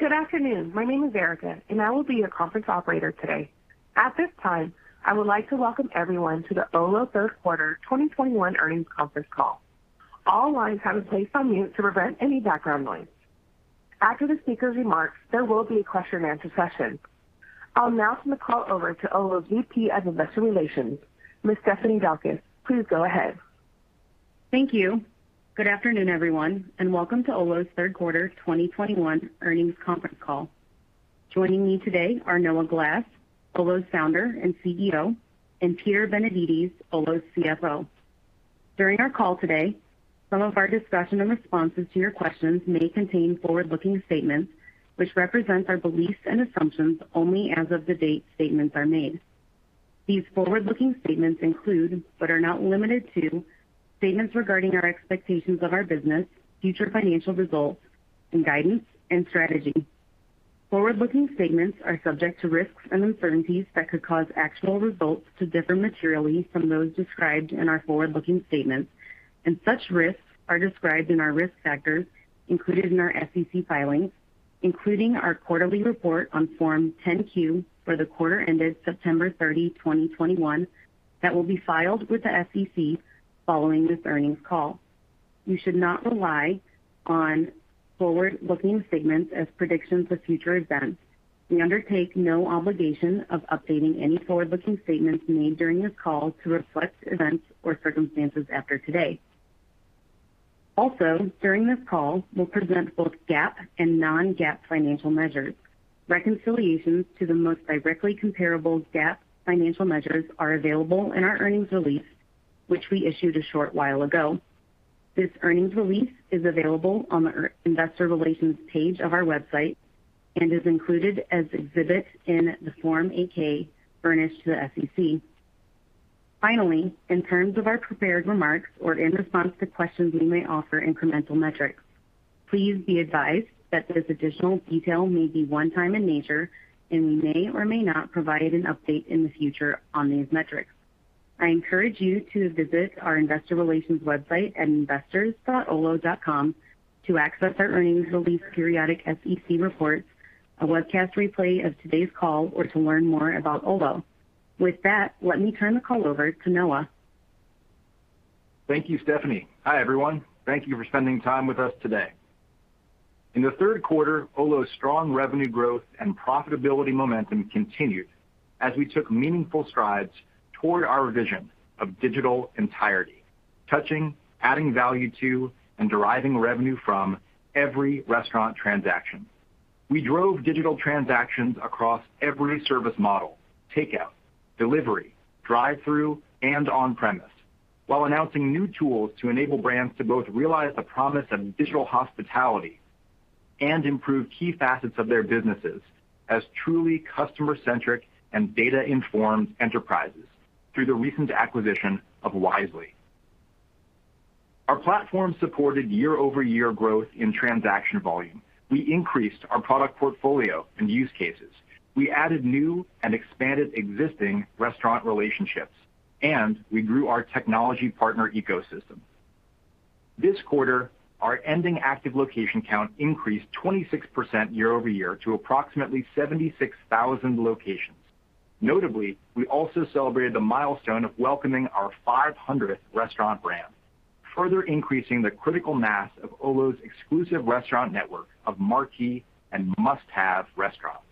Good afternoon. My name is Erica, and I will be your conference operator today. At this time, I would like to welcome everyone to the Olo third quarter 2021 earnings conference call. All lines have been placed on mute to prevent any background noise. After the speaker remarks, there will be a question and answer session. I'll now turn the call over to Olo VP of Investor Relations, Ms. Stephanie Daukus. Please go ahead. Thank you. Good afternoon, everyone, and welcome to Olo's Q3 2021 earnings conference call. Joining me today are Noah Glass, Olo's Founder and CEO, and Peter Benevides, Olo's CFO. During our call today, some of our discussion and responses to your questions may contain forward-looking statements which represent our beliefs and assumptions only as of the date statements are made. These forward-looking statements include, but are not limited to, statements regarding our expectations of our business, future financial results and guidance and strategy. Forward-looking statements are subject to risks and uncertainties that could cause actual results to differ materially from those described in our forward-looking statements, and such risks are described in our risk factors included in our SEC filings, including our quarterly report on Form 10-Q for the quarter ended September 30, 2021, that will be filed with the SEC following this earnings call. You should not rely on forward-looking statements as predictions of future events. We undertake no obligation of updating any forward-looking statements made during this call to reflect events or circumstances after today. Also, during this call, we'll present both GAAP and non-GAAP financial measures. Reconciliations to the most directly comparable GAAP financial measures are available in our earnings release, which we issued a short while ago. This earnings release is available on the investor relations page of our website and is included as exhibit in the Form 8-K furnished to the SEC. Finally, in terms of our prepared remarks or in response to questions, we may offer incremental metrics. Please be advised that this additional detail may be one time in nature, and we may or may not provide an update in the future on these metrics. I encourage you to visit our investor rela tions website at investors.olo.com to access our earnings release periodic SEC report, a webcast replay of today's call or to learn more about Olo. With that, let me turn the call over to Noah. Thank you, Stephanie. Hi, everyone. Thank you for spending time with us today. In the third quarter, Olo's strong revenue growth and profitability momentum continued as we took meaningful strides toward our vision of Digital Entirety, touching, adding value to and deriving revenue from every restaurant transaction. We drove digital transactions across every service model, takeout, delivery, drive-through and on-premise, while announcing new tools to enable brands to both realize the promise of digital hospitality and improve key facets of their businesses as truly customer-centric and data-informed enterprises through the recent acquisition of Wisely. Our platform supported year-over-year growth in transaction volume. We increased our product portfolio and use cases. We added new and expanded existing restaurant relationships, and we grew our technology partner ecosystem. This quarter, our ending active location count increased 26% year-over-year to approximately 76,000 locations. Notably, we also celebrated the milestone of welcoming our 500th restaurant brand, further increasing the critical mass of Olo's exclusive restaurant network of marquee and must-have restaurants.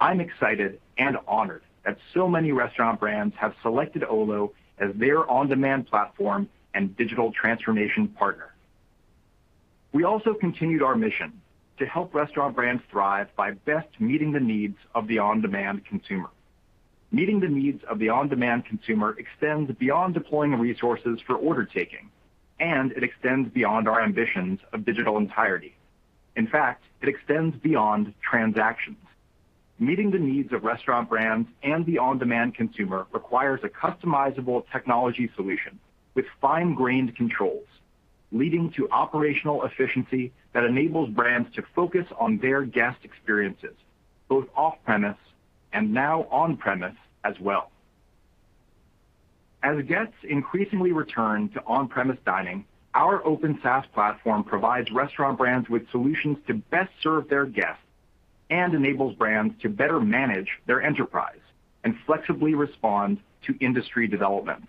I'm excited and honored that so many restaurant brands have selected Olo as their on-demand platform and digital transformation partner. We also continued our mission to help restaurant brands thrive by best meeting the needs of the on-demand consumer. Meeting the needs of the on-demand consumer extends beyond deploying resources for order taking, and it extends beyond our ambitions of Digital Entirety. In fact, it extends beyond transactions. Meeting the needs of restaurant brands and the on-demand consumer requires a customizable technology solution with fine-grained controls, leading to operational efficiency that enables brands to focus on their guest experiences, both off-premise and now on-premise as well. As guests increasingly return to on-premise dining, our open SaaS platform provides restaurant brands with solutions to best serve their guests and enables brands to better manage their enterprise and flexibly respond to industry developments.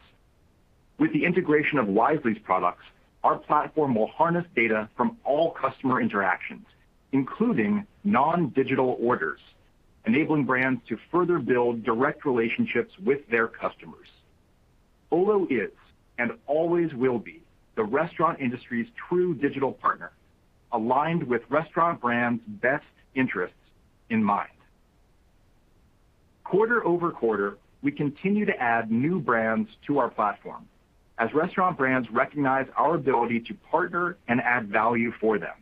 With the integration of Wisely's products, our platform will harness data from all customer interactions, including non-digital orders, enabling brands to further build direct relationships with their customers. Olo is, and always will be, the restaurant industry's true digital partner, aligned with restaurant brands' best interests in mind. Quarter-over-quarter, we continue to add new brands to our platform as restaurant brands recognize our ability to partner and add value for them.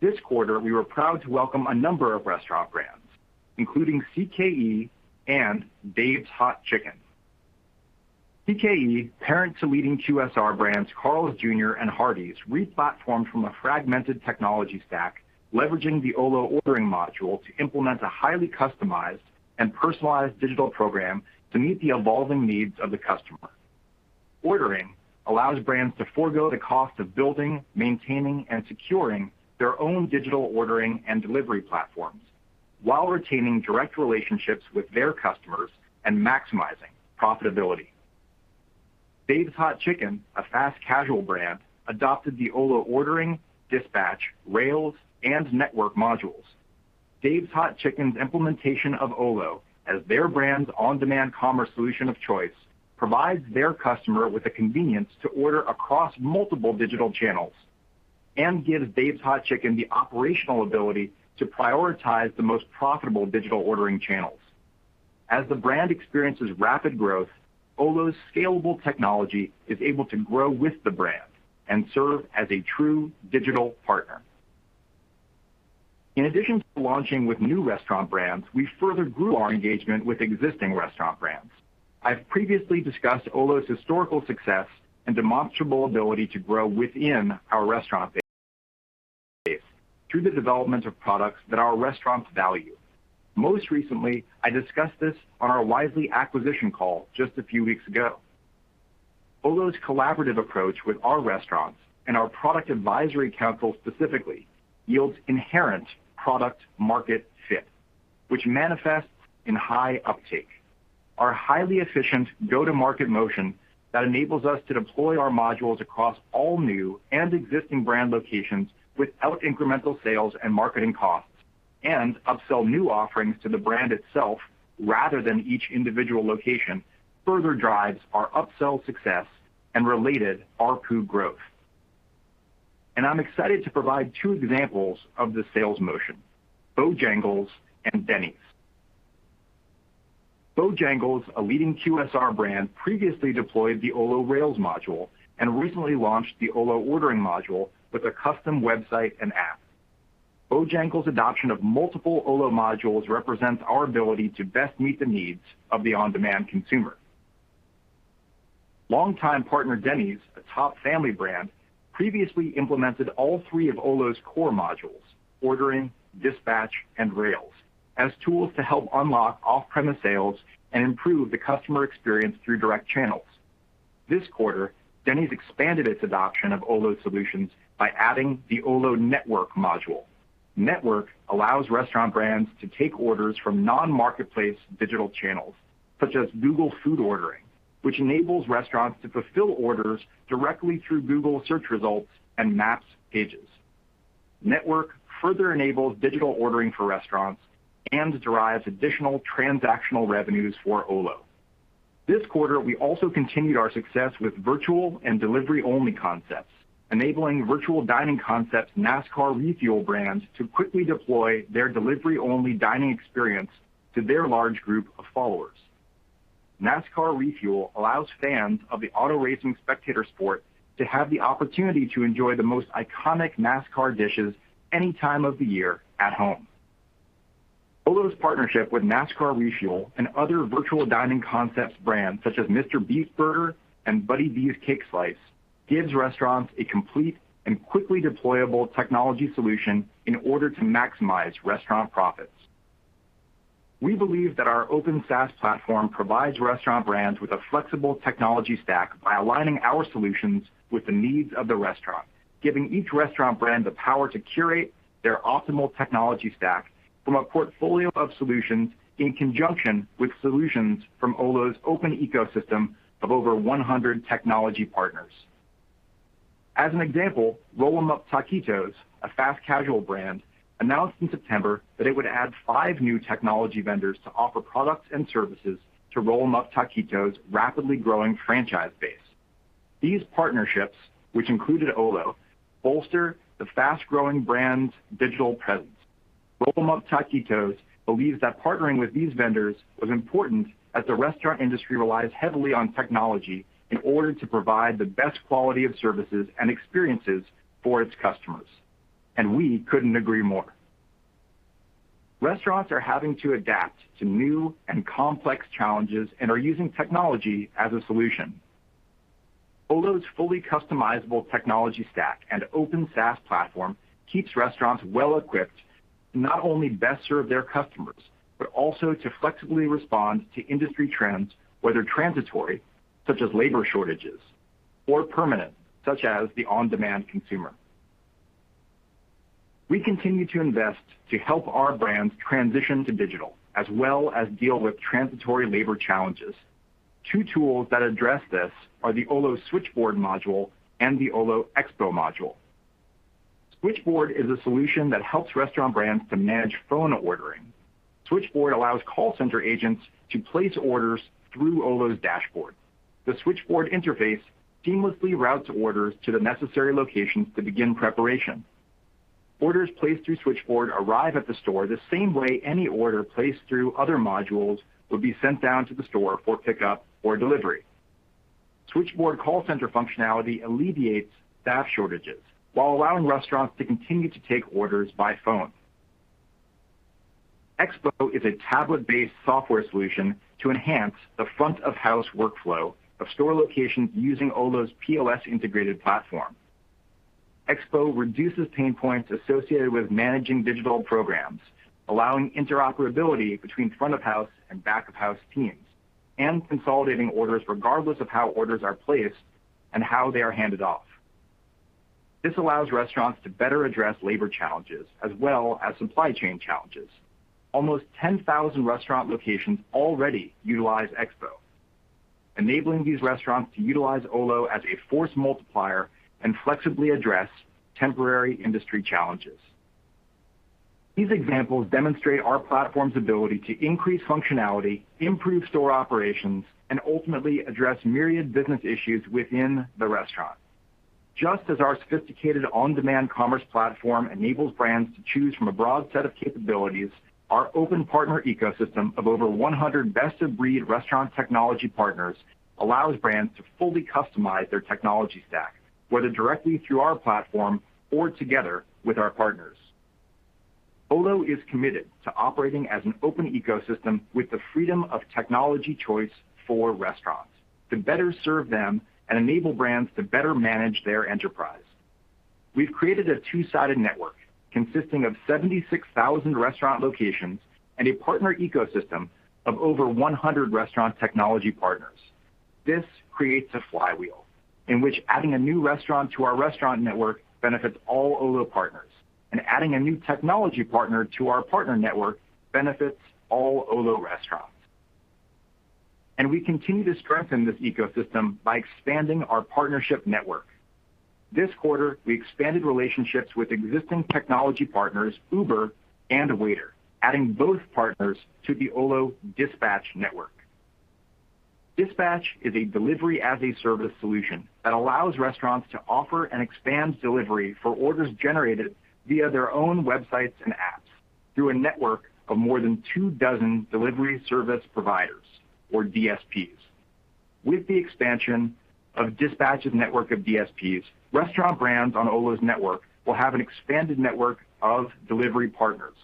This quarter, we were proud to welcome a number of restaurant brands, including CKE and Dave's Hot Chicken. CKE, parent to leading QSR brands Carl's Jr. Hardee's, re-platformed from a fragmented technology stack, leveraging the Olo Ordering module to implement a highly customized and personalized digital program to meet the evolving needs of the customer. Ordering allows brands to forgo the cost of building, maintaining, and securing their own digital ordering and delivery platforms while retaining direct relationships with their customers and maximizing profitability. Dave's Hot Chicken, a fast casual brand, adopted the Olo Ordering, Dispatch, Rails, and Network modules. Dave's Hot Chicken's implementation of Olo as their brand's on-demand commerce solution of choice provides their customer with the convenience to order across multiple digital channels and gives Dave's Hot Chicken the operational ability to prioritize the most profitable digital ordering channels. As the brand experiences rapid growth, Olo's scalable technology is able to grow with the brand and serve as a true digital partner. In addition to launching with new restaurant brands, we further grew our engagement with existing restaurant brands. I've previously discussed Olo's historical success and demonstrable ability to grow within our restaurant base through the development of products that our restaurants value. Most recently, I discussed this on our Wisely acquisition call just a few weeks ago. Olo's collaborative approach with our restaurants and our product advisory council specifically yields inherent product-market fit, which manifests in high uptake. Our highly efficient go-to-market motion that enables us to deploy our modules across all new and existing brand locations without incremental sales and marketing costs and upsell new offerings to the brand itself rather than each individual location further drives our upsell success and related ARPU growth. I'm excited to provide two examples of the sales motion, Bojangles and Denny's. Bojangles, a leading QSR brand, previously deployed the Olo Rails module and recently launched the Olo Ordering module with a custom website and app. Bojangles' adoption of multiple Olo modules represents our ability to best meet the needs of the on-demand consumer. Long-time partner Denny's, a top family brand, previously implemented all three of Olo's core modules, Ordering, Dispatch, and Rails, as tools to help unlock off-premise sales and improve the customer experience through direct channels. This quarter, Denny's expanded its adoption of Olo solutions by adding the Olo Network module. Network allows restaurant brands to take orders from non-marketplace digital channels, such as Google Food Ordering, which enables restaurants to fulfill orders directly through Google Search results and Maps pages. Network further enables digital ordering for restaurants and derives additional transactional revenues for Olo. This quarter, we also continued our success with virtual and delivery-only concepts, enabling Virtual Dining Concepts NASCAR Refuel brands to quickly deploy their delivery-only dining experience to their large group of followers. NASCAR Refuel allows fans of the auto racing spectator sport to have the opportunity to enjoy the most iconic NASCAR dishes any time of the year at home. Olo's partnership with NASCAR Refuel and other Virtual Dining Concepts brands, such as MrBeast Burger and Buddy V's Cake Slice, gives restaurants a complete and quickly deployable technology solution in order to maximize restaurant profits. We believe that our open SaaS platform provides restaurant brands with a flexible technology stack by aligning our solutions with the needs of the restaurant, giving each restaurant brand the power to curate their optimal technology stack from a portfolio of solutions in conjunction with solutions from Olo's open ecosystem of over 100 technology partners. As an example, Roll-Em-Up Taquitos, a fast-casual brand, announced in September that it would add five new technology vendors to offer products and services to Roll-Em-Up Taquitos' rapidly growing franchise base. These partnerships, which included Olo, bolster the fast-growing brand's digital presence. Roll-Em-Up Taquitos believes that partnering with these vendors was important as the restaurant industry relies heavily on technology in order to provide the best quality of services and experiences for its customers, and we couldn't agree more. Restaurants are having to adapt to new and complex challenges and are using technology as a solution. Olo's fully customizable technology stack and open SaaS platform keeps restaurants well equipped to not only best serve their customers, but also to flexibly respond to industry trends, whether transitory, such as labor shortages or permanent, such as the on-demand consumer. We continue to invest to help our brands transition to digital, as well as deal with transitory labor challenges. Two tools that address this are the Olo Switchboard module and the Olo Expo module. Switchboard is a solution that helps restaurant brands to manage phone ordering. Switchboard allows call center agents to place orders through Olo's dashboard. The Switchboard interface seamlessly routes orders to the necessary locations to begin preparation. Orders placed through Switchboard arrive at the store the same way any order placed through other modules would be sent down to the store for pickup or delivery. Switchboard call center functionality alleviates staff shortages while allowing restaurants to continue to take orders by phone. Expo is a tablet-based software solution to enhance the front-of-house workflow of store locations using Olo's POS integrated platform. Expo reduces pain points associated with managing digital programs, allowing interoperability between front of house and back-of-house teams, and consolidating orders regardless of how orders are placed and how they are handed off. This allows restaurants to better address labor challenges as well as supply chain challenges. Almost 10,000 restaurant locations already utilize Expo, enabling these restaurants to utilize Olo as a force multiplier and flexibly address temporary industry challenges. These examples demonstrate our platform's ability to increase functionality, improve store operations, and ultimately address myriad business issues within the restaurant. Just as our sophisticated on-demand commerce platform enables brands to choose from a broad set of capabilities, our open partner ecosystem of over 100 best-of-breed restaurant technology partners allows brands to fully customize their technology stack, whether directly through our platform or together with our partners. Olo is committed to operating as an open ecosystem with the freedom of technology choice for restaurants to better serve them and enable brands to better manage their enterprise. We've created a two-sided network consisting of 76,000 restaurant locations and a partner ecosystem of over 100 restaurant technology partners. This creates a flywheel in which adding a new restaurant to our restaurant network benefits all Olo partners, and adding a new technology partner to our partner network benefits all Olo restaurants. We continue to strengthen this ecosystem by expanding our partnership network. This quarter, we expanded relationships with existing technology partners, Uber and Waitr, adding both partners to the Olo Dispatch network. Dispatch is a delivery-as-a-service solution that allows restaurants to offer and expand delivery for orders generated via their own websites and apps through a network of more than two dozen delivery service providers or DSPs. With the expansion of Dispatch's network of DSPs, restaurant brands on Olo's network will have an expanded network of delivery partners,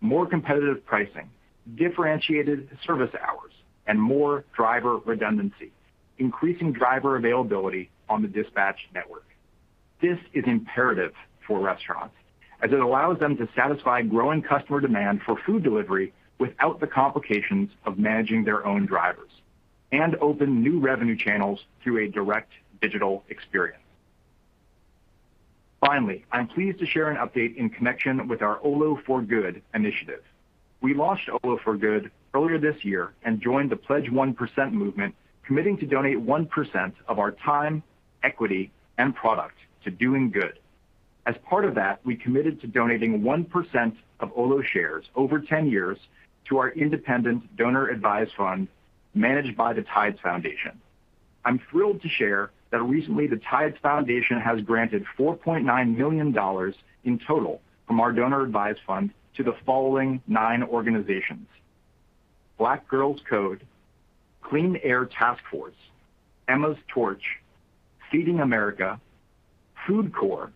more competitive pricing, differentiated service hours, and more driver redundancy, increasing driver availability on the Dispatch network. This is imperative for restaurants as it allows them to satisfy growing customer demand for food delivery without the complications of managing their own drivers and open new revenue channels through a direct digital experience. Finally, I'm pleased to share an update in connection with our Olo For Good initiative. We launched Olo For Good earlier this year and joined the Pledge 1% movement, committing to donate 1% of our time, equity, and product to doing good. As part of that, we committed to donating 1% of Olo shares over 10 years to our independent donor-advised fund managed by the Tides Foundation. I'm thrilled to share that recently, the Tides Foundation has granted $4.9 million in total from our donor-advised fund to the following nine organizations: Black Girls Code, Clean Air Task Force, Emma's Torch, Feeding America, FoodCorps,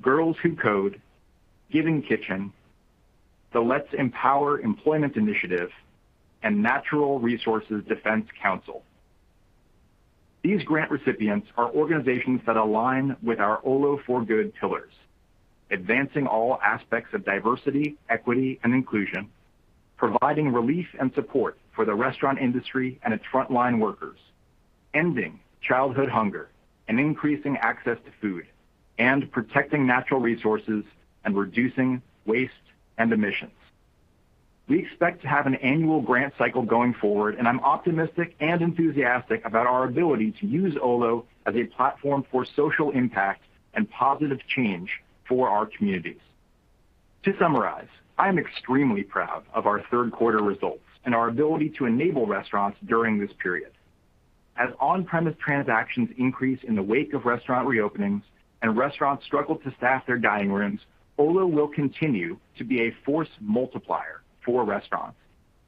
Girls Who Code, Giving Kitchen, the Let's Empower Employment Initiative, and Natural Resources Defense Council. These grant recipients are organizations that align with our Olo For Good pillars, advancing all aspects of diversity, equity, and inclusion, providing relief and support for the restaurant industry and its frontline workers, ending childhood hunger and increasing access to food, and protecting natural resources and reducing waste and emissions. We expect to have an annual grant cycle going forward, and I'm optimistic and enthusiastic about our ability to use Olo as a platform for social impact and positive change for our communities. To summarize, I am extremely proud of our third quarter results and our ability to enable restaurants during this period. As on-premise transactions increase in the wake of restaurant reopenings and restaurants struggle to staff their dining rooms, Olo will continue to be a force multiplier for restaurants,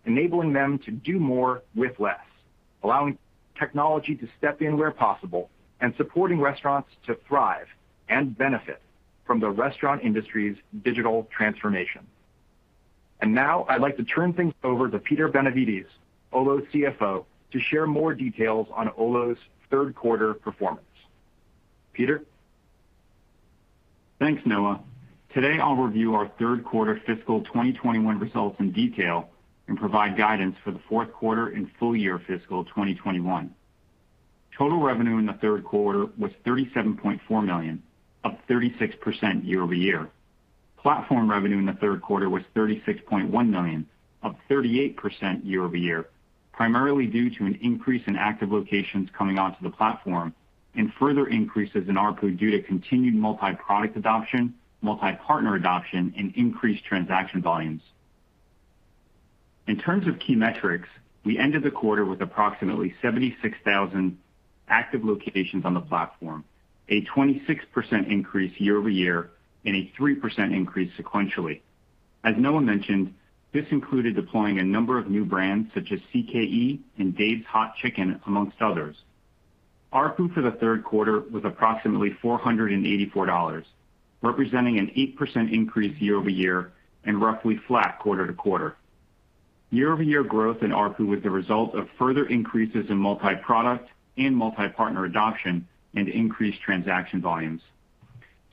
enabling them to do more with less, allowing technology to step in where possible, and supporting restaurants to thrive and benefit from the restaurant industry's digital transformation. Now I'd like to turn things over to Peter Benevides, Olo CFO, to share more details on Olo's third quarter performance. Peter? Thanks, Noah. Today, I'll review our third quarter fiscal 2021 results in detail and provide guidance for the fourth quarter and full year fiscal 2021. Total revenue in the third quarter was $37.4 million, up 36% year-over-year. Platform revenue in the third quarter was $36.1 million, up 38% year-over-year, primarily due to an increase in active locations coming onto the platform and further increases in ARPU due to continued multi-product adoption, multi-partner adoption, and increased transaction volumes. In terms of key metrics, we ended the quarter with approximately 76,000 active locations on the platform, a 26% increase year-over-year, and a 3% increase sequentially. As Noah mentioned, this included deploying a number of new brands such as CKE and Dave's Hot Chicken, among others. ARPU for the third quarter was approximately $484, representing an 8% increase year-over-year and roughly flat quarter-to-quarter. Year-over-year growth in ARPU was the result of further increases in multi-product and multi-partner adoption and increased transaction volumes.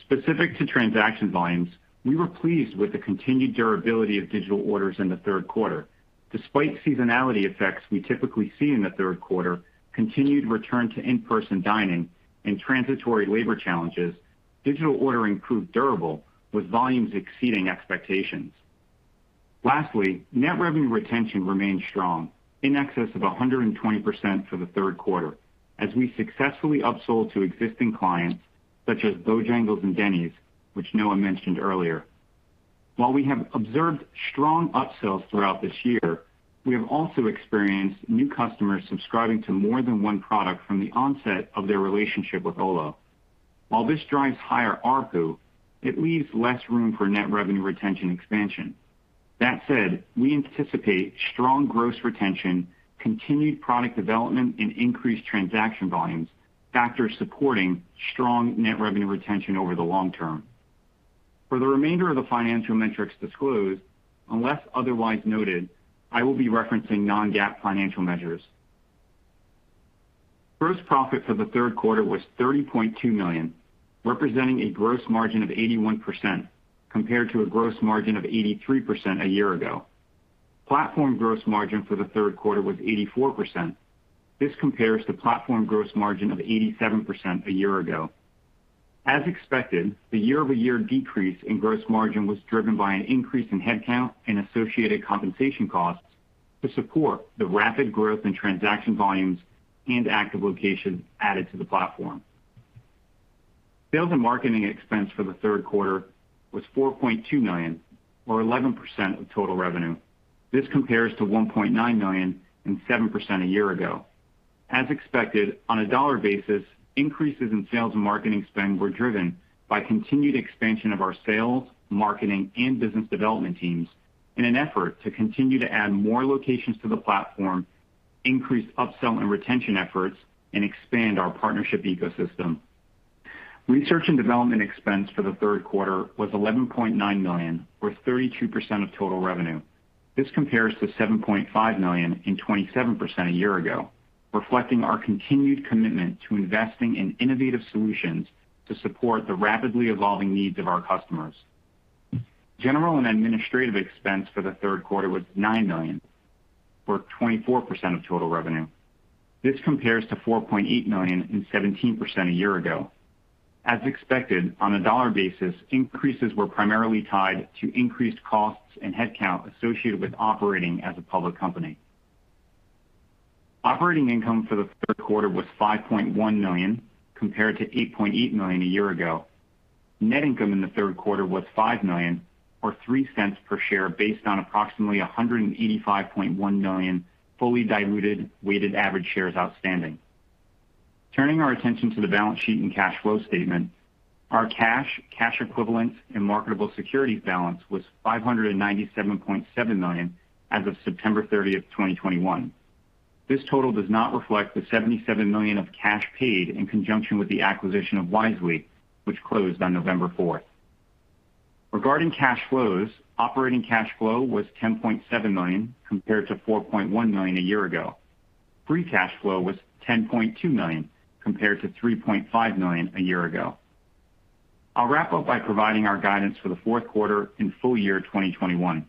Specific to transaction volumes, we were pleased with the continued durability of digital orders in the third quarter. Despite seasonality effects we typically see in the third quarter, continued return to in-person dining and transitory labor challenges, digital ordering proved durable with volumes exceeding expectations. Lastly, net revenue retention remained strong, in excess of 120% for the third quarter, as we successfully upsold to existing clients such as Bojangles and Denny's, which Noah mentioned earlier. While we have observed strong upsells throughout this year, we have also experienced new customers subscribing to more than one product from the onset of their relationship with Olo. While this drives higher ARPU, it leaves less room for net revenue retention expansion. That said, we anticipate strong gross retention, continued product development, and increased transaction volumes, factors supporting strong net revenue retention over the long term. For the remainder of the financial metrics disclosed, unless otherwise noted, I will be referencing non-GAAP financial measures. Gross profit for the third quarter was $30.2 million, representing a gross margin of 81% compared to a gross margin of 83% a year ago. Platform gross margin for the third quarter was 84%. This compares to platform gross margin of 87% a year ago. As expected, the year-over-year decrease in gross margin was driven by an increase in headcount and associated compensation costs to support the rapid growth in transaction volumes and active locations added to the platform. Sales and marketing expense for the third quarter was $4.2 million, or 11% of total revenue. This compares to $1.9 million and 7% a year ago. As expected, on a dollar basis, increases in sales and marketing spend were driven by continued expansion of our sales, marketing, and business development teams in an effort to continue to add more locations to the platform, increase upsell and retention efforts, and expand our partnership ecosystem. Research and development expense for the third quarter was $11.9 million, or 32% of total revenue. This compares to $7.5 million and 27% a year ago, reflecting our continued commitment to investing in innovative solutions to support the rapidly evolving needs of our customers. General and administrative expense for the third quarter was $9 million, or 24% of total revenue. This compares to $4.8 million and 17% a year ago. As expected, on a dollar basis, increases were primarily tied to increased costs and headcount associated with operating as a public company. Operating income for the third quarter was $5.1 million, compared to $8.8 million a year ago. Net income in the third quarter was $5 million or $0.03 per share based on approximately 185.1 million fully diluted weighted average shares outstanding. Turning our attention to the balance sheet and cash flow statement. Our cash equivalents, and marketable securities balance was $597.7 million as of September 30, 2021. This total does not reflect the $77 million of cash paid in conjunction with the acquisition of Wisely, which closed on November 4. Regarding cash flows, operating cash flow was $10.7 million compared to $4.1 million a year ago. Free cash flow was $10.2 million compared to $3.5 million a year ago. I'll wrap up by providing our guidance for the fourth quarter and full year 2021.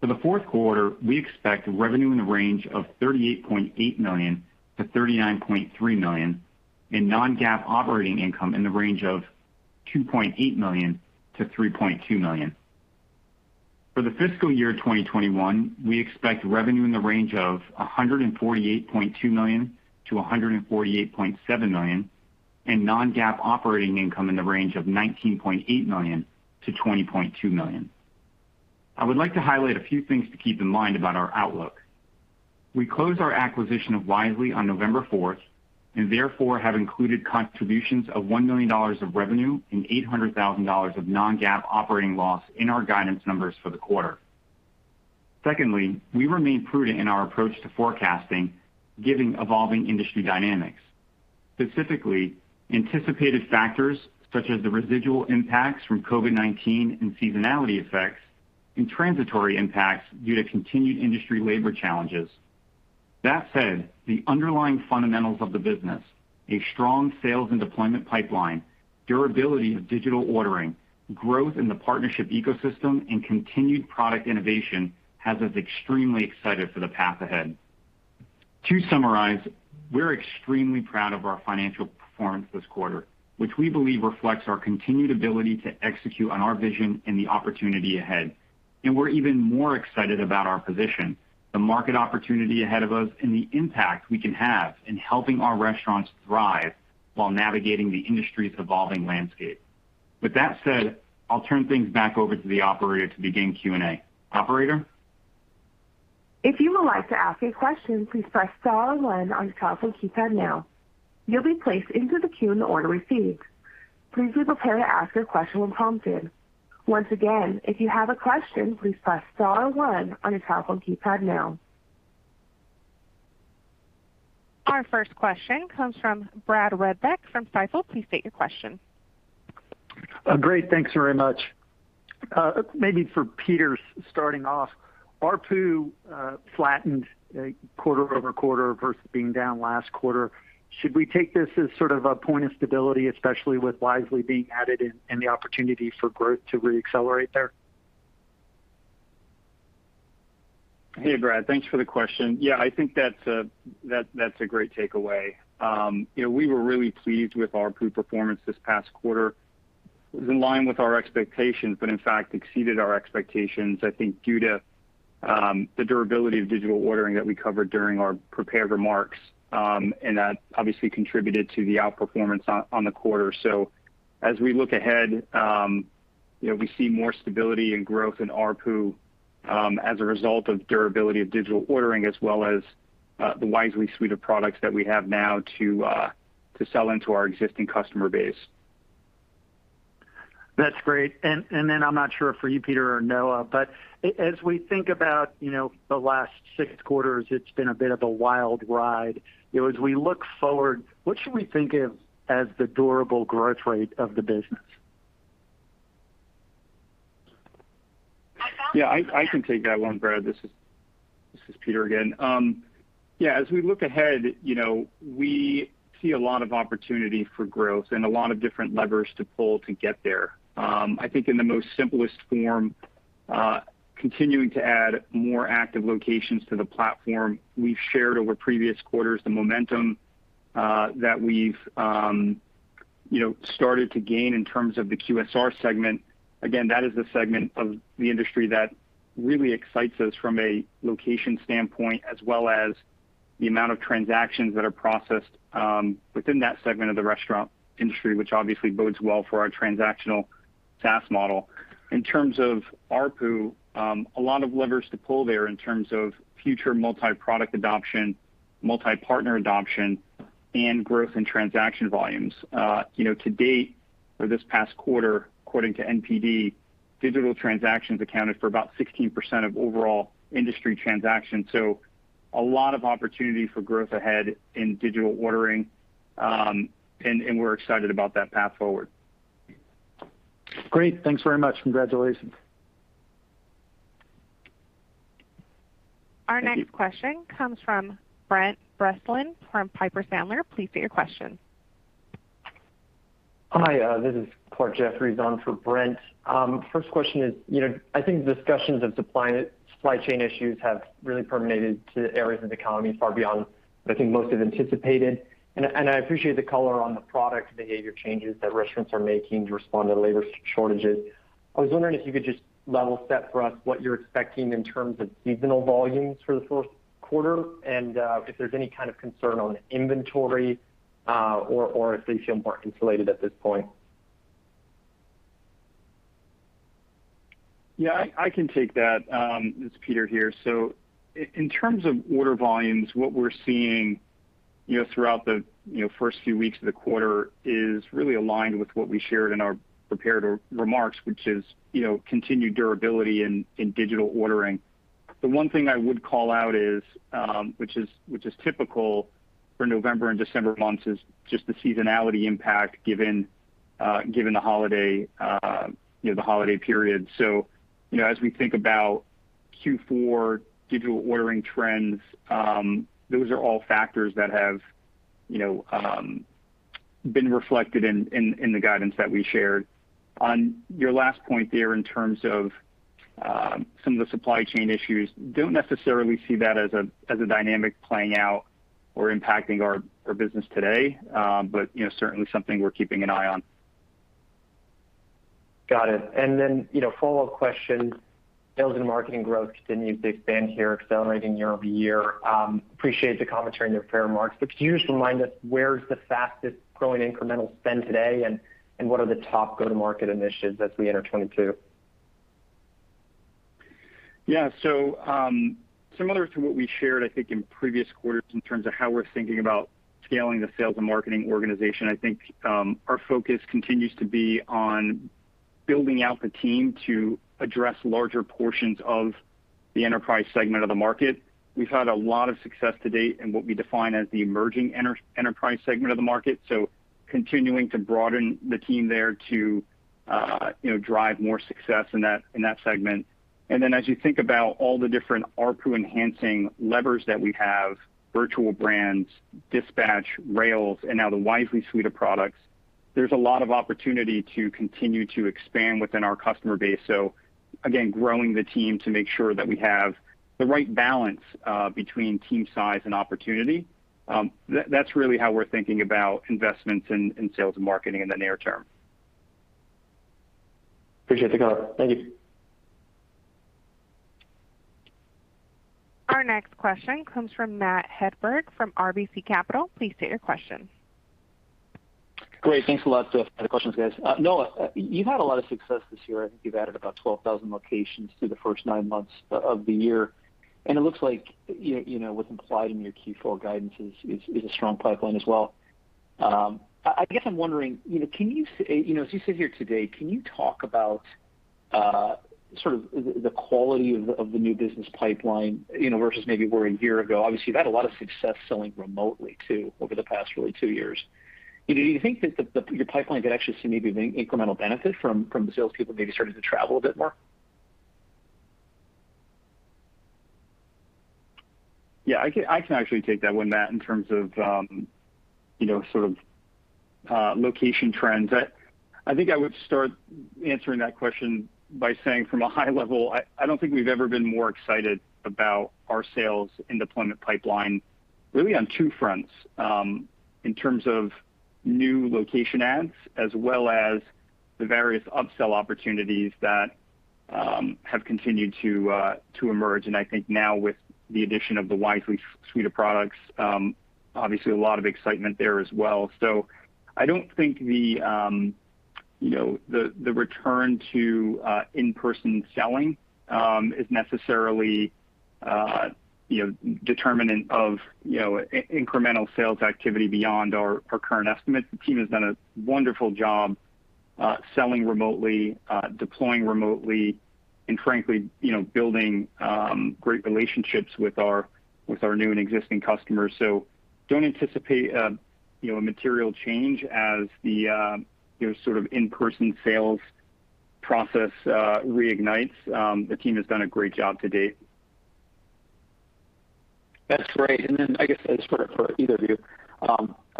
For the fourth quarter, we expect revenue in the range of $38.8 million-$39.3 million and non-GAAP operating income in the range of $2.8 million-$3.2 million. For the fiscal year 2021, we expect revenue in the range of $148.2 million-$148.7 million and non-GAAP operating income in the range of $19.8 million-$20.2 million. I would like to highlight a few things to keep in mind about our outlook. We closed our acquisition of Wisely on November 4 and therefore have included contributions of $1 million of revenue and $800,000 of non-GAAP operating loss in our guidance numbers for the quarter. Secondly, we remain prudent in our approach to forecasting, giving evolving industry dynamics, specifically anticipated factors such as the residual impacts from COVID-19 and seasonality effects and transitory impacts due to continued industry labor challenges. That said, the underlying fundamentals of the business, a strong sales and deployment pipeline, durability of digital ordering, growth in the partnership ecosystem, and continued product innovation has us extremely excited for the path ahead. To summarize, we're extremely proud of our financial performance this quarter, which we believe reflects our continued ability to execute on our vision and the opportunity ahead, and we're even more excited about our position, the market opportunity ahead of us, and the impact we can have in helping our restaurants thrive while navigating the industry's evolving landscape. With that said, I'll turn things back over to the operator to begin Q&A. Operator? If you would like to ask a question, please press star one on your telephone keypad now. You'll be placed into the queue in the order received. Please be prepared to ask your question when prompted. Once again, if you have a question, please press star one on your telephone keypad now. Our first question comes from Brad Reback from Stifel. Please state your question. Great. Thanks very much. Maybe for Peter starting off, ARPU flattened quarter-over-quarter versus being down last quarter. Should we take this as sort of a point of stability, especially with Wisely being added in and the opportunity for growth to re-accelerate there? Hey, Brad. Thanks for the question. Yeah, I think that's a great takeaway. We were really pleased with ARPU performance this past quarter. It was in line with our expectations, but in fact exceeded our expectations, I think due to the durability of digital ordering that we covered during our prepared remarks, and that obviously contributed to the outperformance on the quarter. As we look ahead, we see more stability and growth in ARPU as a result of durability of digital ordering, as well as the Wisely suite of products that we have now to sell into our existing customer base. That's great. Then I'm not sure for you, Peter or Noah, but as we think about, you know, the last six quarters, it's been a bit of a wild ride. As we look forward, what should we think of as the durable growth rate of the business? Yeah, I can take that one, Brad. This is Peter again. Yeah, as we look ahead, we see a lot of opportunity for growth and a lot of different levers to pull to get there. I think in the most simplest form, continuing to add more active locations to the platform. We've shared over previous quarters the momentum that we've you know started to gain in terms of the QSR segment. Again, that is the segment of the industry that really excites us from a location standpoint, as well as the amount of transactions that are processed within that segment of the restaurant industry, which obviously bodes well for our transactional SaaS model. In terms of ARPU, a lot of levers to pull there in terms of future multi-product adoption, multi-partner adoption, and growth in transaction volumes. To date for this past quarter, according to NPD, digital transactions accounted for about 16% of overall industry transactions. A lot of opportunity for growth ahead in digital ordering, and we're excited about that path forward. Great. Thanks very much. Congratulations. Our next question comes from Brent Bracelin from Piper Sandler. Please state your question. Hi, this is Clarke Jeffries on for Brent. First question is, you know, I think discussions of supply chain issues have really permeated to areas of the economy far beyond what I think most have anticipated. I appreciate the color on the product behavior changes that restaurants are making to respond to labor shortages. I was wondering if you could just level set for us what you're expecting in terms of seasonal volumes for the first quarter, and if there's any kind of concern on inventory, or if they feel more insulated at this point. Yeah, I can take that. It's Peter here. In terms of order volumes, what we're seeing throughout first few weeks of the quarter is really aligned with what we shared in our prepared remarks, which is, you know, continued durability in digital ordering. The one thing I would call out is, which is typical for November and December months, is just the seasonality impact given the holiday, you know, the holiday period. As we think about Q4 digital ordering trends, those are all factors that have, you know, been reflected in the guidance that we shared. On your last point there in terms of some of the supply chain issues, don't necessarily see that as a dynamic playing out or impacting our business today. Certainly something we're keeping an eye on. Got it. You know, follow-up question. Sales and marketing growth continues to expand here, accelerating year-over-year. Appreciate the commentary in your prepared remarks, but can you just remind us where is the fastest growing incremental spend today, and what are the top go-to-market initiatives as we enter 2022? Yeah. Similar to what we shared, I think, in previous quarters in terms of how we're thinking about scaling the sales and marketing organization, I think, our focus continues to be on building out the team to address larger portions of the enterprise segment of the market. We've had a lot of success to date in what we define as the emerging enterprise segment of the market, so continuing to broaden the team there to, you know, drive more success in that segment. As you think about all the different ARPU-enhancing levers that we have, virtual brands, dispatch, rails, and now the Wisely suite of products, there's a lot of opportunity to continue to expand within our customer base. Again, growing the team to make sure that we have the right balance, between team size and opportunity. That's really how we're thinking about investments in sales and marketing in the near term. Appreciate the color. Thank you. Our next question comes from Matt Hedberg from RBC Capital. Please state your question. Great. Thanks a lot. I have a few questions, guys. Noah, you've had a lot of success this year. I think you've added about 12,000 locations through the first nine months of the year, and it looks like what's implied in your Q4 guidance is a strong pipeline as well. I guess I'm wondering, as you sit here today, can you talk about sort of the quality of the new business pipeline versus maybe where a year ago? Obviously, you've had a lot of success selling remotely too over the past really two years. Do you think that your pipeline could actually see maybe an incremental benefit from the salespeople maybe starting to travel a bit more? Yeah. I can actually take that one, Matt, in terms of, you know, sort of, location trends. I think I would start answering that question by saying from a high level, I don't think we've ever been more excited about our sales and deployment pipeline really on two fronts. In terms of new location adds as well as the various upsell opportunities that have continued to emerge. I think now with the addition of the Wisely suite of products, obviously a lot of excitement there as well. I don't think the return to in-person selling is necessarily, you know, determinant of incremental sales activity beyond our current estimates. The team has done a wonderful job, selling remotely, deploying remotely, and frankly, you know, building great relationships with our new and existing customers. Don't anticipate, you know, a material change as the, sort of in-person sales process reignites. The team has done a great job to date. That's great. Then I guess it's for either of you.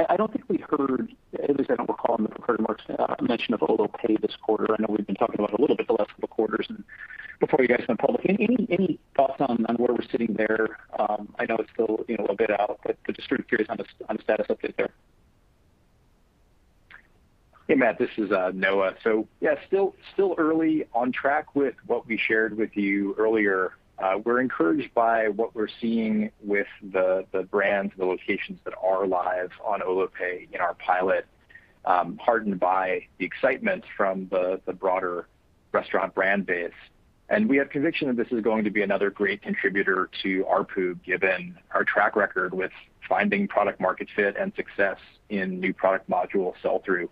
I don't think we heard, at least I don't recall in the prepared remarks, mention of Olo Pay this quarter. I know we've been talking about a little bit the last couple quarters and before you guys went public. Any thoughts on where we're sitting there? I know it's still a bit out, but just sort of curious on the status update there. Hey, Matt, this is Noah. So yeah, still early on track with what we shared with you earlier. We're encouraged by what we're seeing with the brands and the locations that are live on Olo Pay in our pilot, heartened by the excitement from the broader restaurant brand base. We have conviction that this is going to be another great contributor to ARPU, given our track record with finding product market fit and success in new product module sell-through.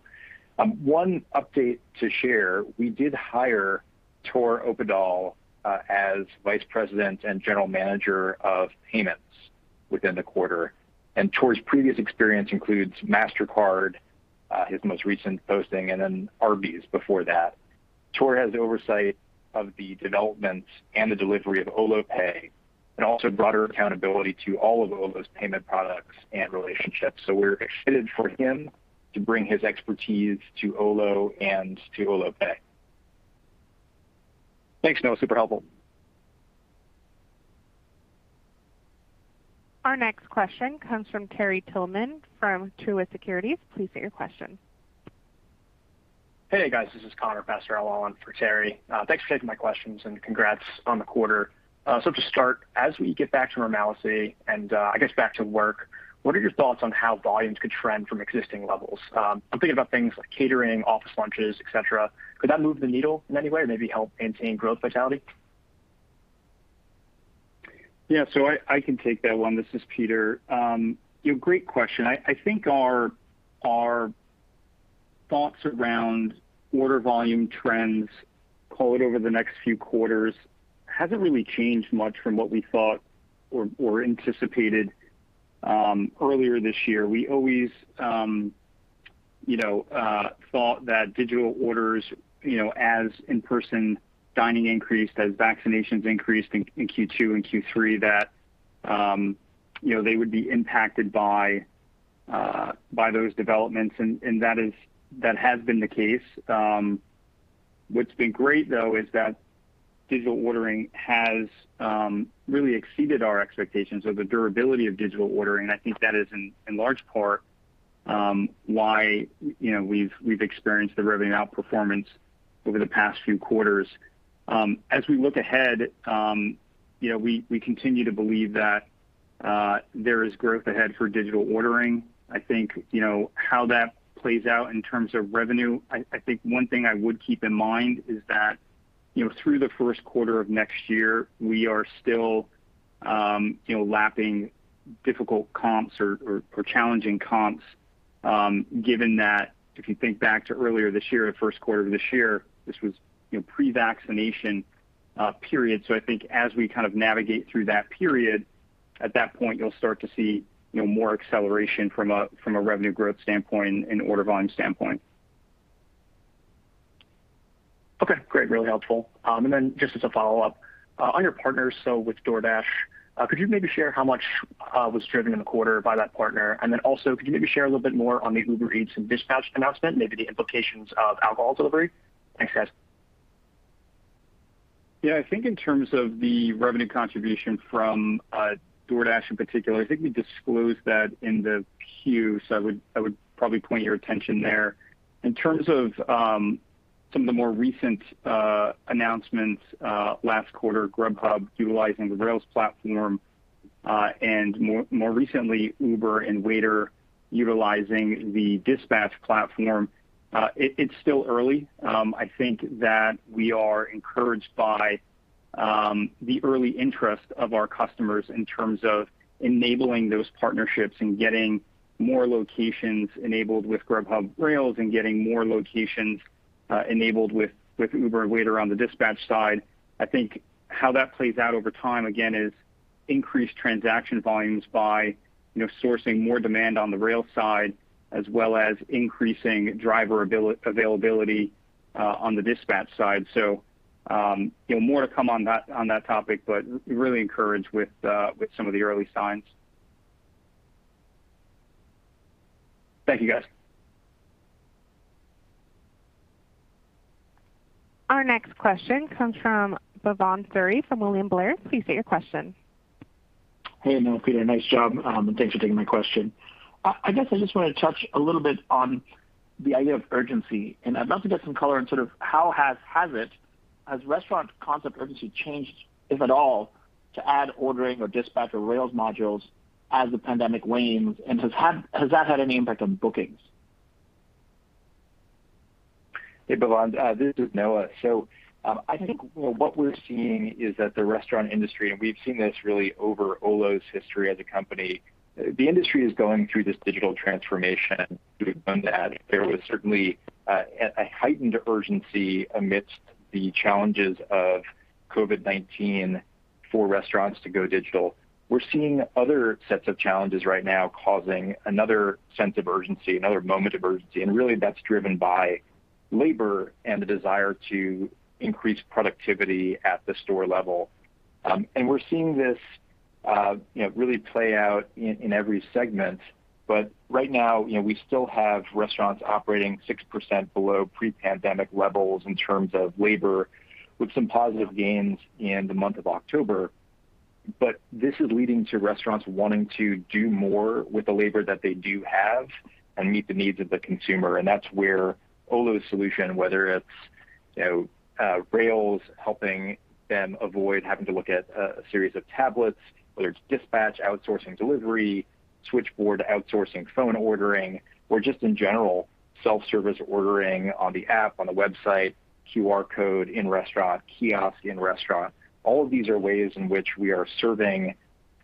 One update to share, we did hire Tor Opedal as Vice President and General Manager of Payments within the quarter. Tor's previous experience includes Mastercard, his most recent posting, and then Arby's before that. Tor has oversight of the development and the delivery of Olo Pay and also broader accountability to all of Olo's payment products and relationships. We're excited for him to bring his expertise to Olo and to Olo Pay. Thanks, Noah. Super helpful. Our next question comes from Terry Tillman from Truist Securities. Please state your question. Hey, guys. This is Connor Passarella on for Terry. Thanks for taking my questions, and congrats on the quarter. To start, as we get back to normalcy and, I guess back to work, what are your thoughts on how volumes could trend from existing levels? I'm thinking about things like catering, office lunches, et cetera. Could that move the needle in any way, maybe help maintain growth vitality? Yeah. I can take that one. This is Peter. Great question. I think our thoughts around order volume trends call it over the next few quarters hasn't really changed much from what we thought or anticipated earlier this year. We always thought that digital orders, as in-person dining increased, as vaccinations increased in Q2 and Q3, that they would be impacted by those developments. That has been the case. What's been great though is that digital ordering has really exceeded our expectations of the durability of digital ordering. I think that is in large part why, you know, we've experienced the revenue outperformance over the past few quarters. As we look ahead, we continue to believe that there is growth ahead for digital ordering. I think, you know, how that plays out in terms of revenue, I think one thing I would keep in mind is that, you know, through the first quarter of next year, we are still, you know, lapping difficult comps or challenging comps, given that if you think back to earlier this year, the first quarter of this year, this was, you know, pre-vaccination period. I think as we kind of navigate through that period, at that point you'll start to see, you know, more acceleration from a revenue growth standpoint and order volume standpoint. Okay. Great. Really helpful. Just as a follow-up, on your partners, so with DoorDash, could you maybe share how much was driven in the quarter by that partner? Also, could you maybe share a little bit more on the Uber Eats and Dispatch announcement, maybe the implications of alcohol delivery? Thanks, guys. Yeah. I think in terms of the revenue contribution from DoorDash in particular, I think we disclosed that in the Q, so I would probably point your attention there. In terms of some of the more recent announcements last quarter, Grubhub utilizing the Rails platform and more recently, Uber and Waitr utilizing the Dispatch platform, it's still early. I think that we are encouraged by- The early interest of our customers in terms of enabling those partnerships and getting more locations enabled with Grubhub Rails and getting more locations enabled with Uber and Waitr on the dispatch side. I think how that plays out over time, again, is increased transaction volumes by, sourcing more demand on the rail side as well as increasing driver availability on the dispatch side. You know, more to come on that topic, but really encouraged with some of the early signs. Thank you, guys. Our next question comes from Bhavan Suri from William Blair. Please state your question. Hey, Noah, Peter, nice job. Thanks for taking my question. I guess I just want to touch a little bit on the idea of urgency. I'd love to get some color on sort of how has restaurant concept urgency changed, if at all, to add ordering or dispatch or rails modules as the pandemic wanes? Has that had any impact on bookings? Hey, Bhavan, this is Noah. I think what we're seeing is that the restaurant industry, and we've seen this really over Olo's history as a company, the industry is going through this digital transformation. We've learned that there was certainly a heightened urgency amidst the challenges of COVID-19 for restaurants to go digital. We're seeing other sets of challenges right now causing another sense of urgency, another moment of urgency, and really that's driven by labor and the desire to increase productivity at the store level. We're seeing this, you know, really play out in every segment. Right now, you know, we still have restaurants operating 6% below pre-pandemic levels in terms of labor, with some positive gains in the month of October. This is leading to restaurants wanting to do more with the labor that they do have and meet the needs of the consumer. That's where Olo's solution, whether it's, you know, Rails helping them avoid having to look at a series of tablets, whether it's dispatch, outsourcing delivery, switchboard outsourcing phone ordering, or just in general self-service ordering on the app, on the website, QR code in restaurant, kiosk in restaurant. All of these are ways in which we are serving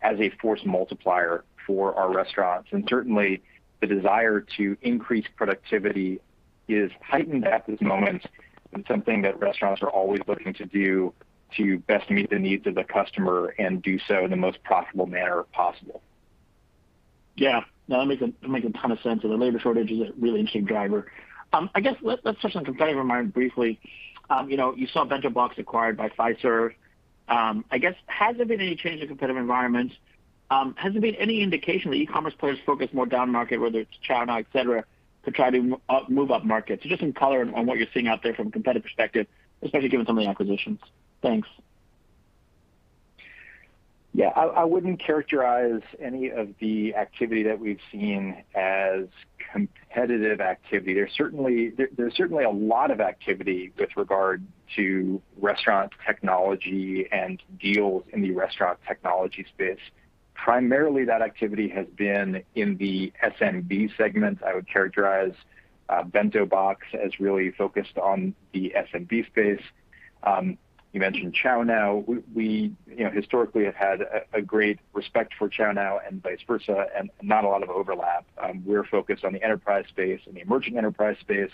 as a force multiplier for our restaurants. Certainly the desire to increase productivity is heightened at this moment and something that restaurants are always looking to do to best meet the needs of the customer and do so in the most profitable manner possible. Yeah. No, that makes a ton of sense. The labor shortage is a really interesting driver. I guess let's touch on competitive environment briefly. You know, you saw BentoBox acquired by Fiserv. I guess, has there been any change in competitive environment? Has there been any indication that e-commerce players focus more down market, whether it's ChowNow, et cetera, to try to move up market? Just some color on what you're seeing out there from a competitive perspective, especially given some of the acquisitions. Thanks. Yeah, I wouldn't characterize any of the activity that we've seen as competitive activity. There's certainly a lot of activity with regard to restaurant technology and deals in the restaurant technology space. Primarily, that activity has been in the SMB segment. I would characterize BentoBox as really focused on the SMB space. You mentioned ChowNow. We you know historically have had a great respect for ChowNow and vice versa, and not a lot of overlap. We're focused on the enterprise space and the emerging enterprise space,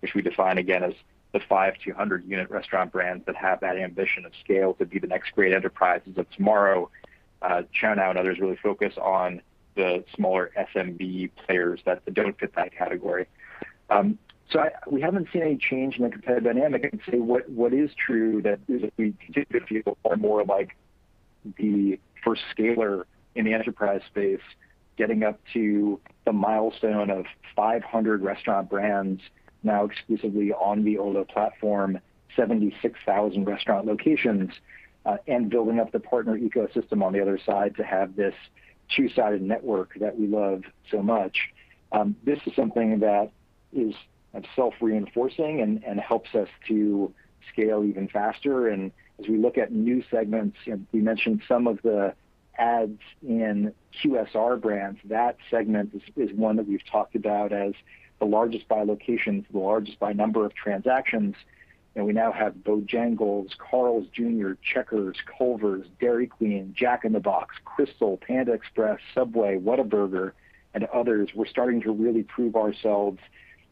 which we define again as the 5-100 unit restaurant brands that have that ambition of scale to be the next great enterprises of tomorrow. ChowNow and others really focus on the smaller SMB players that don't fit that category. We haven't seen any change in the competitive dynamic. I'd say what is true is that we did feel more like the first scaler in the enterprise space, getting up to the milestone of 500 restaurant brands now exclusively on the Olo platform, 76,000 restaurant locations, and building up the partner ecosystem on the other side to have this two-sided network that we love so much. This is something that is self-reinforcing and helps us to scale even faster. As we look at new segments, you know, we mentioned some of the adds in QSR brands. That segment is one that we've talked about as the largest by location, the largest by number of transactions. You know, we now have Bojangles, Carl's Jr., Checkers, Culver's, Dairy Queen, Jack in the Box, Krystal, Panda Express, Subway, Whataburger, and others. We're starting to really prove ourselves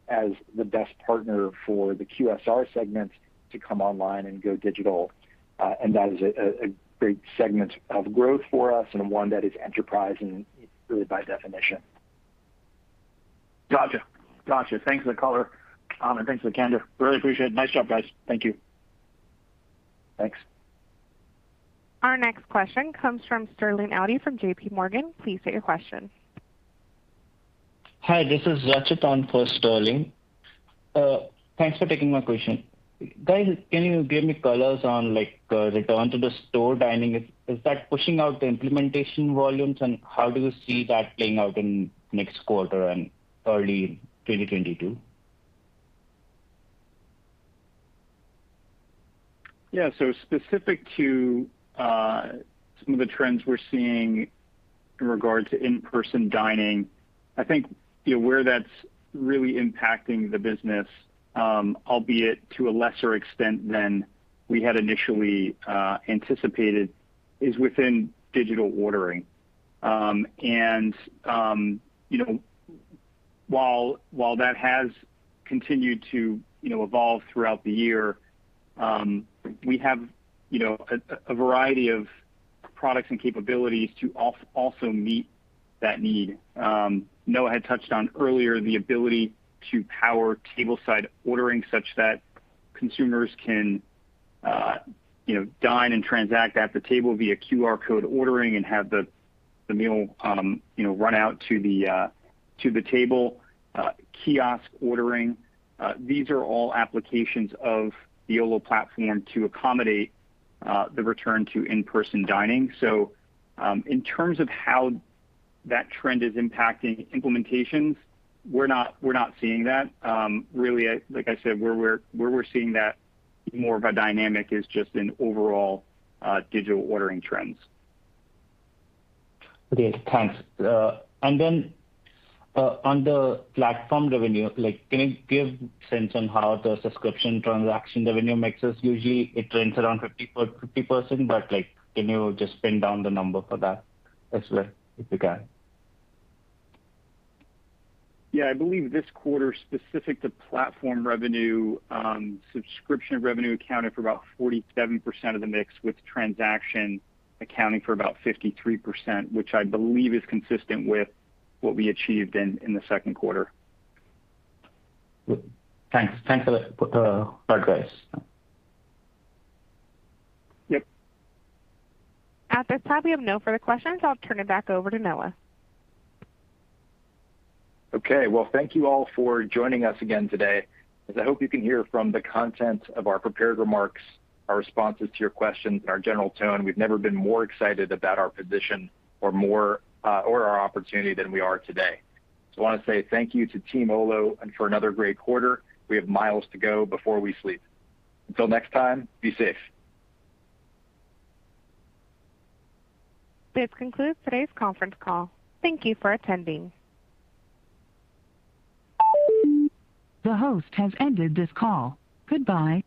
as the best partner for the QSR segment to come online and go digital. That is a great segment of growth for us and one that is enterprising really by definition. Gotcha. Thanks for the color, and thanks for the candor. Really appreciate it. Nice job, guys. Thank you. Thanks. Our next question comes from Sterling Auty from J.P. Morgan. Please state your question. Hi, this is Rachit Jain for Sterling Auty. Thanks for taking my question. Guys, can you give me colors on, like, return to the store dining? Is that pushing out the implementation volumes? How do you see that playing out in next quarter and early 2022? Yeah. Specific to, Some of the trends we're seeing in regard to in-person dining, I think, you know, where that's really impacting the business, albeit to a lesser extent than we had initially anticipated, is within digital ordering. While that has continued to, you know, evolve throughout the year, we have, you know, a variety of products and capabilities to also meet that need. Noah had touched on earlier the ability to power tableside ordering such that consumers can, you know, dine and transact at the table via QR code ordering and have the meal run out to the table, kiosk ordering. These are all applications of the Olo platform to accommodate the return to in-person dining. In terms of how that trend is impacting implementations, we're not seeing that. Really, like I said, where we're seeing that more of a dynamic is just in overall digital ordering trends. Okay, thanks. On the platform revenue, like, can you give sense on how the subscription transaction revenue mixes? Usually it trends around 50/50%, but like, can you just pin down the number for that as well, if you can? Yeah. I believe this quarter, specific to platform revenue, subscription revenue accounted for about 47% of the mix, with transaction accounting for about 53%, which I believe is consistent with what we achieved in the second quarter. Thanks. Thanks for the progress. Yep. At this time, we have no further questions. I'll turn it back over to Noah. Okay. Well, thank you all for joining us again today. As I hope you can hear from the content of our prepared remarks, our responses to your questions, and our general tone, we've never been more excited about our position or more, or our opportunity than we are today. I want to say thank you to Team Olo, and for another great quarter. We have miles to go before we sleep. Until next time, be safe. This concludes today's conference call. Thank you for attending. The host has ended this call. Goodbye.